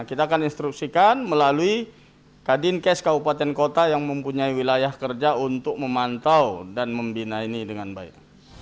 kita akan instruksikan melalui kadinkes kabupaten kota yang mempunyai wilayah kerja untuk memantau dan membina ini dengan baik